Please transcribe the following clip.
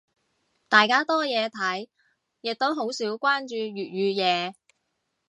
大家多嘢睇，亦都好少關注粵語嘢。